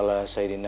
nah hendak dikena